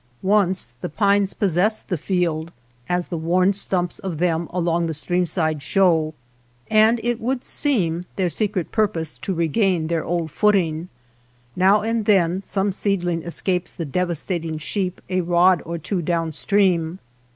Once the pines possessed the field, as the worn 130 MY NEIGHBORS FIELD Stumps of them along the streamsidjeshaw, and it would seem their secret purpose to regain their old footing. Now and then some seedling escapes the devastating sheep a rod or two down stream.